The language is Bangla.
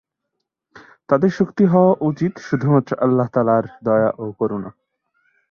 তাদের শক্তি হওয়া উচিত শুধুমাত্র আল্লাহ তা’আলার দয়া ও করুণা।